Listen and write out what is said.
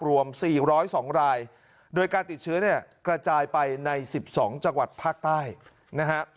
รวมสี่ร้อยสองรายโดยการติดเชื้อเนี้ยกระจายไปในสิบสองจังหวัดภาคใต้นะฮะ